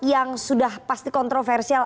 yang sudah pasti kontroversial